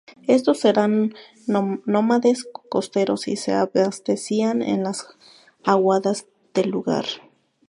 Estos eran nómades costeros y se abastecían en las aguadas del lugar.